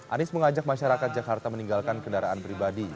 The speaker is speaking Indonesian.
anies mengajak masyarakat jakarta meninggalkan kendaraan pribadi